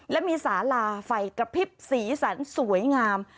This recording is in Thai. และมีสาลาไฟกระพริบสีสันสวยงาม